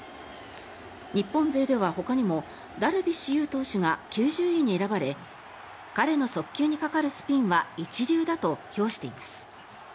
日本勢ではほかにもダルビッシュ有投手が９０位に選ばれ彼の速球にかかるスピンは一流だと評しています。